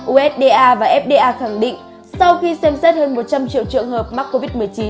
usda và fda khẳng định sau khi xem xét hơn một trăm linh triệu trường hợp mắc covid một mươi chín